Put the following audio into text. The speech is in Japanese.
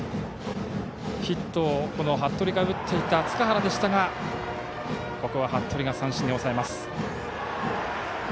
ヒットを服部から打っていた塚原でしたがここは服部が三振に抑えます。